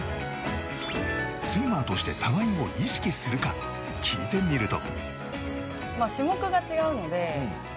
スイマーとして互いを意識するか聞いてみると。